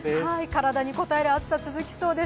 体にこたえる暑さ続きそうです。